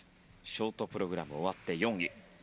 ショートプログラム終わって４位。